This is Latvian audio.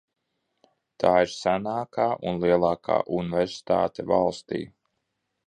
Tā ir senākā un lielākā universitāte valstī.